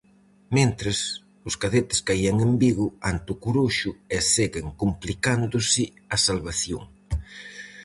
Mentres, os cadetes caían en Vigo ante o coruxo e seguen complicándose a salvación.